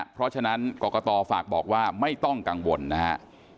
เพราะฉะนั้นกรกตฝากบอกว่าไม่ต้องกังวลนะฮะ